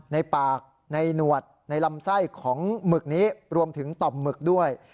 ในปากในหนวดในลำไส้ของหมึกนี้รวมถึงต่อมหมึกด้วย